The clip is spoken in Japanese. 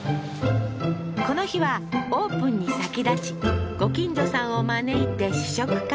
この日はオープンに先立ちご近所さんを招いて試食会